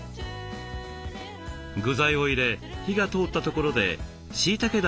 具材を入れ火が通ったところでしいだけだしが登場。